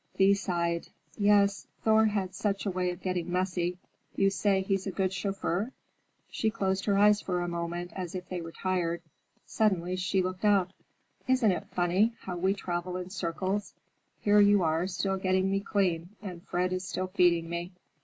Thea sighed. "Yes, Thor had such a way of getting messy. You say he's a good chauffeur?" She closed her eyes for a moment as if they were tired. Suddenly she looked up. "Isn't it funny, how we travel in circles? Here you are, still getting me clean, and Fred is still feeding me.